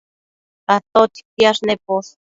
¿atotsi quiash neposh?